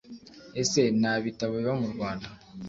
Ese ntabitabo biba mu Rwanda